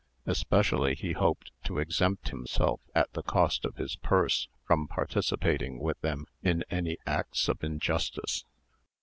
Especially he hoped to exempt himself, at the cost of his purse, from participating with them in any acts of injustice.